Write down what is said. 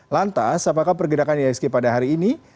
lantas apakah pergerakan ihsg pada hari ini